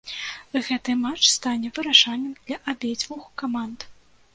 Гэты матч стане вырашальным для абедзвюх каманд.